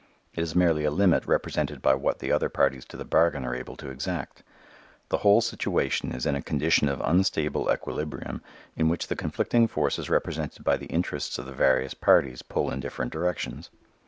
It is merely a limit represented by what the other parties to the bargain are able to exact. The whole situation is in a condition of unstable equilibrium in which the conflicting forces represented by the interests of the various parties pull in different directions.